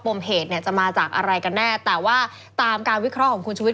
มเหตุเนี่ยจะมาจากอะไรกันแน่แต่ว่าตามการวิเคราะห์ของคุณชุวิต